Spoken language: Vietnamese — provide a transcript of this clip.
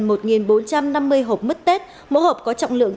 hộp mứt tết mỗi hộp có trọng lượng